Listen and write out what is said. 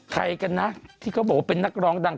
ใครกันนะที่เขาบอกว่าเป็นนักร้องดัง